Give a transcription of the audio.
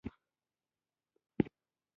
د پښتو ادب ساتنه د تمدن ساتنه ده.